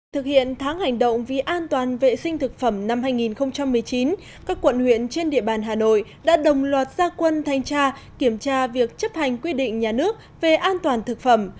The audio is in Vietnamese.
thực hiện tháng hành động vì an toàn vệ sinh thực phẩm năm hai nghìn một mươi chín các quận huyện trên địa bàn hà nội đã đồng loạt gia quân thanh tra kiểm tra việc chấp hành quy định nhà nước về an toàn thực phẩm